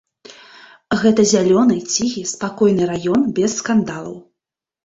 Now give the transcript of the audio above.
Гэта зялёны, ціхі, спакойны раён без скандалаў.